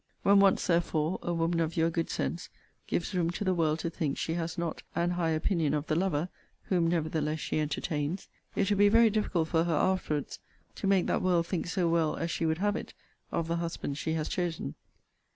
When once, therefore, a woman of your good sense gives room to the world to think she has not an high opinion of the lover, whom nevertheless she entertains, it will be very difficult for her afterwards to make that world think so well as she would have it of the husband she has chosen.